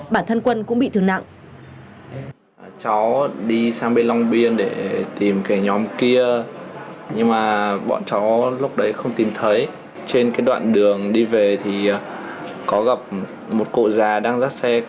bản thân quân cũng bị thương nặng